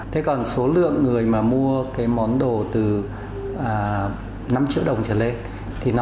thế còn số lượng người mua món đồ từ năm triệu đồng trở lên